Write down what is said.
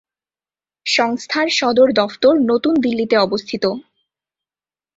সংস্থার সদর দফতর নতুন দিল্লিতে অবস্থিত।